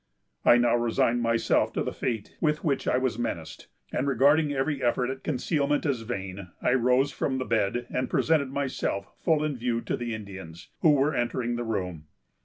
"I now resigned myself to the fate with which I was menaced; and, regarding every effort at concealment as vain, I rose from the bed, and presented myself full in view to the Indians, who were entering the room.